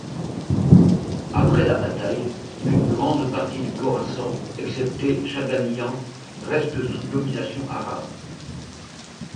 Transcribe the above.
Après la bataille, une grande partie du Khorassan, excepté Chaghaniyan, reste sous domination arabe.